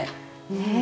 ねえ。